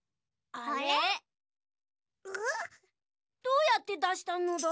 どうやってだしたのだ？